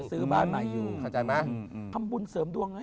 จะซื้อบ้านไหนอยู่ทำบุญเสริมดวงไง